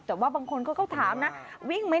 แต่บางคนก็ถามวิ่งไหม